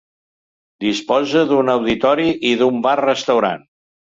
Disposa d'un auditori i d'un bar restaurant.